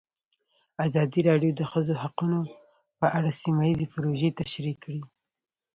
ازادي راډیو د د ښځو حقونه په اړه سیمه ییزې پروژې تشریح کړې.